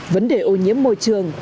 vấn đề ô nhiễm môi trường